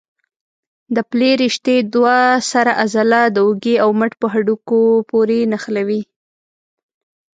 د پلې رشتې دوه سره عضله د اوږې او مټ په هډوکو پورې نښلوي.